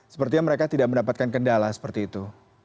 sepertinya mereka tidak mendapatkan kendala seperti itu